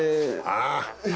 ああ。